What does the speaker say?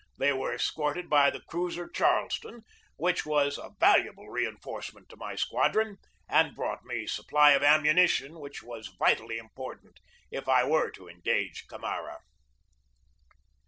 They were escorted by the cruiser Charles ton, which was a valuable reinforcement to my squad ron and brought the supply of ammunition which was vitally important if I were to engage Camara.